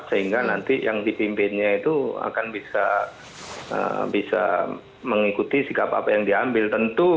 sehingga nanti yang dipimpinnya itu akan bisa mengikuti sikap apa yang diambil tentu